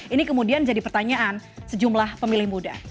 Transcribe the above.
ini kemudian jadi pertanyaan sejumlah pemilih muda